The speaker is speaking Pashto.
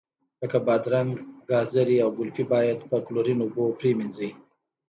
لکه بادرنګ، ګازرې او ګلپي باید په کلورین اوبو پرېمنځئ.